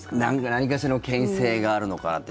何かしらのけん制があるのかなって。